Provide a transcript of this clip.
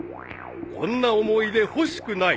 ［こんな思い出欲しくない］